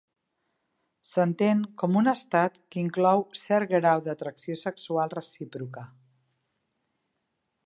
S'entén com un estat que inclou cert grau d'atracció sexual recíproca.